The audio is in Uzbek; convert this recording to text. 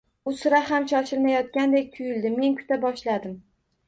U sira ham shoshilmayotgandek tuyuldi. Men kuta boshladim.